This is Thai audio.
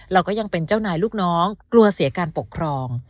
เราก็ยังเป็นเจ้านายลูกน้องกลัวเสียการปกครอง